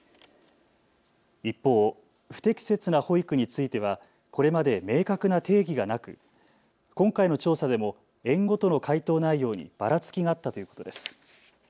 一方、不適切な保育についてはこれまで明確な定義がなく今回の調査でも園ごとの回答内容にばらつきがあったということです。